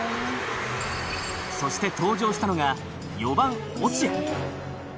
そして登場したのが４番落合。